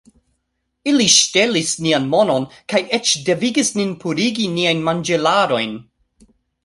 Ili ŝtelis nian monon kaj eĉ devigis nin purigi niajn manĝilarojn